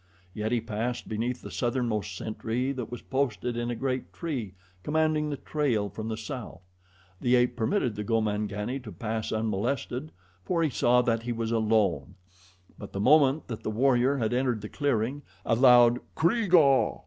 Yet he passed beneath the southernmost sentry that was posted in a great tree commanding the trail from the south. The ape permitted the Gomangani to pass unmolested, for he saw that he was alone; but the moment that the warrior had entered the clearing a loud "Kreeg ah!"